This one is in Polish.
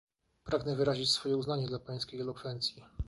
Pragnę wyrazić swoje uznanie dla pańskiej elokwencji